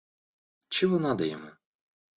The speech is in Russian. Чего надо ему?